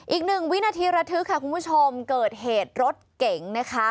อีกหนึ่งวินาทีระทึกค่ะคุณผู้ชมเกิดเหตุรถเก๋งนะคะ